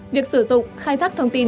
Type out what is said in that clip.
việc sử dụng khai thác thông tin